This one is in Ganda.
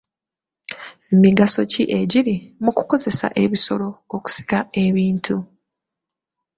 Migaso ki egiri mu kukozesa ebisolo okusika ebintu?